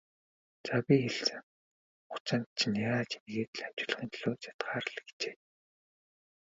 За, би хэлсэн хугацаанд чинь яаж ийгээд л амжуулахын төлөө чадахаараа л хичээе.